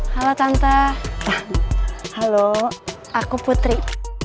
halo tante halo aku putri